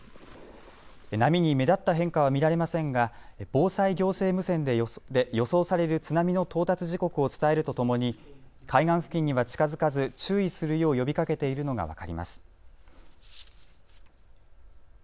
波に目立った変化は見られませんが防災行政無線で予想される津波の到達時刻を伝えるとともに海岸付近には近づかず注意するよう呼びかけているのが分かります。